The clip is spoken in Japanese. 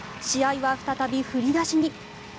試合は再び振り出しに。